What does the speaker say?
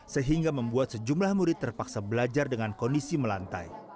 sehingga membuat sejumlah murid terpaksa belajar dengan kondisi melantai